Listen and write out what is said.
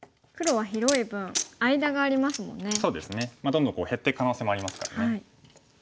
どんどん減っていく可能性もありますからね。